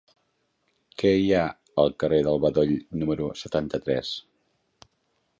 Què hi ha al carrer del Bedoll número setanta-tres?